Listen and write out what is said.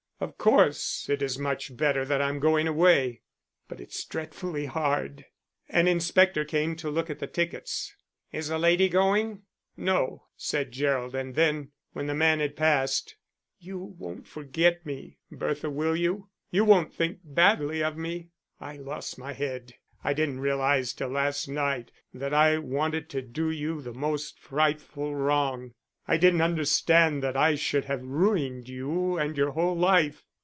Of course it is much better that I'm going away; but it's dreadfully hard." An inspector came to look at the tickets. "Is the lady going?" "No," said Gerald; and then, when the man had passed: "You won't forget me, Bertha, will you? You won't think badly of me; I lost my head. I didn't realise till last night that I wanted to do you the most frightful wrong. I didn't understand that I should have ruined you and your whole life."